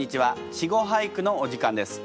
「稚語俳句」のお時間です。